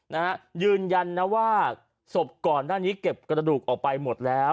นะฮะยืนยันนะว่าศพก่อนหน้านี้เก็บกระดูกออกไปหมดแล้ว